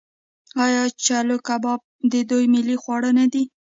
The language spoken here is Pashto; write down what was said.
آیا چلو کباب د دوی ملي خواړه نه دي؟